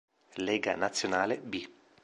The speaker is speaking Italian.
Lega Nazionale B